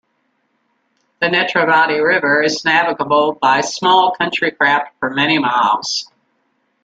The Netravati River is navigable by small country craft for many miles.